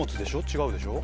違うでしょ？